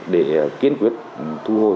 để kiên quyết thu hồi